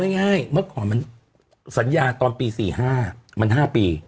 ง่ายเมื่อก่อนมันสัญญาตอนปี๔๕มัน๕ปี